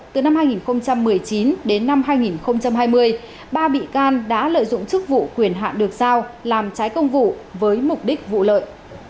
từ năm hai nghìn một mươi chín đến năm hai nghìn hai mươi ba bị can đã lợi dụng chức vụ quyền hạn được giao làm trái công vụ với mục đích vụ lợi